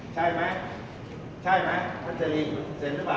ใช่ไหมใช่ไหมพัชลินเซ็นหรือเปล่า